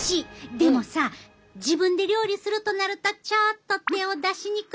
でもさ自分で料理するとなるとちょっと手を出しにくい感じない？